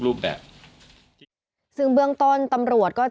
จากนั้นก็จะนำมาพักไว้ที่ห้องพลาสติกไปวางเอาไว้ตามจุดนัดต่าง